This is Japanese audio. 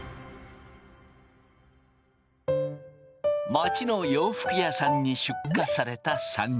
街の洋服屋さんに出荷された３人。